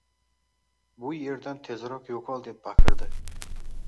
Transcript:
Bu yerdan tezroq yo’qol deb baqirdi.